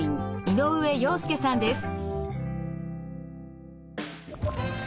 井上陽介さんです。